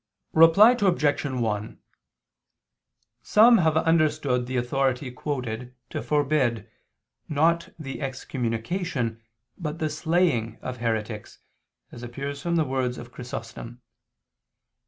Reply Obj. 1: Some have understood the authority quoted to forbid, not the excommunication but the slaying of heretics, as appears from the words of Chrysostom.